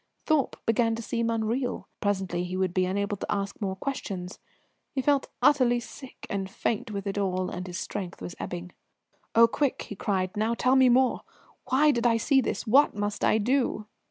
Thorpe began to seem unreal. Presently he would be unable to ask more questions. He felt utterly sick and faint with it all, and his strength was ebbing. "Oh, quick!" he cried, "now tell me more. Why did I see this? What must I do?"